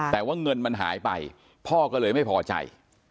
แต่ว่าเงินมันหายไปพ่อก็เลยไม่พอใจ